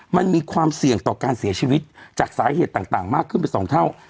มันมีความเสี่ยงต่อการเสียชีวิตจากสาเหตุต่างมากขึ้นไป๒เท่า